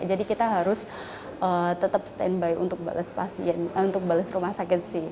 jadi kita harus tetap stand by untuk bales rumah sakit sih